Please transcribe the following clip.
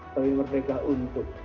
tapi merdeka untuk